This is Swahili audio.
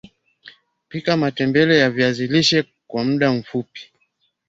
Pika matembele ya viazi lishe kwa muda mfupi